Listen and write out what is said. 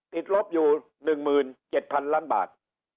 ติดลบอยู่๑๗๐๐๐ล้านบาท